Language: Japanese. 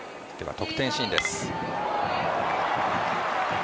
得点シーンです。